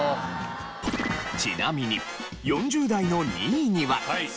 ちなみに４０代の２位には。